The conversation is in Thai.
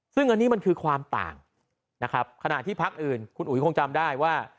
ซึ่งอันนี้มันคือความต่างนะครับขณะที่พักอื่นคุณอุ๋ยคงจำได้ว่า